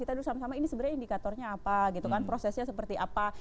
kita duduk sama sama ini sebenarnya indikatornya apa gitu kan prosesnya seperti apa